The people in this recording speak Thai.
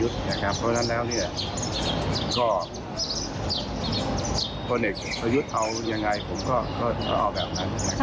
ท่านจะยังทำงานกันเมืองต่อ